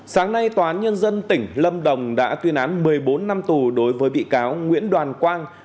sáng nay tòa án nhân dân tỉnh lâm đồng đã tuyên án một mươi bốn năm tù đối với bị cáo nguyễn đoàn quang